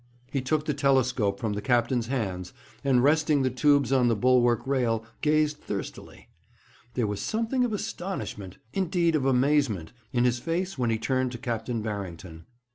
He took the telescope from the captain's hands, and resting the tubes on the bulwark rail, gazed thirstily. There was something of astonishment indeed, of amazement in his face when he turned to Captain Barrington.